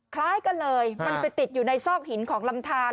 คล้ายกันเลยมันไปติดอยู่ในซอกหินของลำทาน